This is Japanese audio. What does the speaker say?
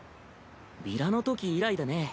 ビラのとき以来だね。